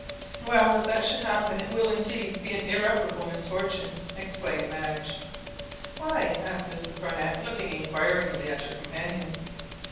"Well, if that should happen it will indeed be an irreparable misfortune!" exclaimed Madge. "Why?" asked Mrs Barnett, looking inquiringly at her companion.